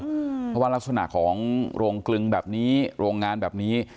เพราะว่ารักษณะของโรงกลึงแบบนี้โรงงานแบบนี้